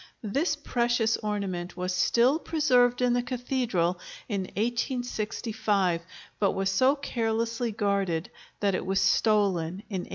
This precious ornament was still preserved in the Cathedral in 1865, but was so carelessly guarded that it was stolen in 1869.